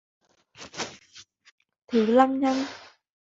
thứ lăng nhăng